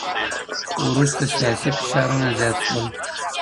وروسته سیاسي فشارونه زیات شول.